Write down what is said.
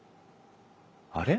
あれ？